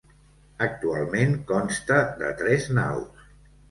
Actualment consta de tres naus.